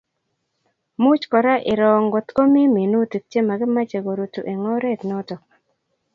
Much kora iroo kotko mii minutik che makimache korutu eng' oret notok